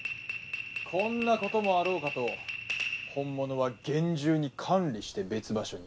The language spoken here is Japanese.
こんなこともあろうかと本物は厳重に管理して別場所に。